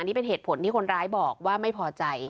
นี่เป็นเหตุผลที่คนร้ายบอกว่าไม่พอใจ